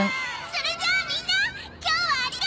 それじゃあみんな今日はありがとう！